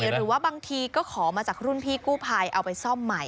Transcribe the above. หรือว่าบางทีก็ขอมาจากรุ่นพี่กู้ภัยเอาไปซ่อมใหม่